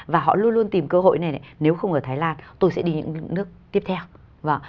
và họ luôn luôn tìm cơ hội này nếu không ở thái lan tôi sẽ đi những nước tiếp theo